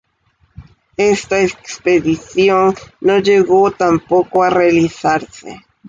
Esta expedición no llegó tampoco a realizarse.